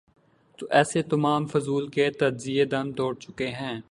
تو ایسے تمام فضول کے تجزیے دم توڑ چکے ہیں۔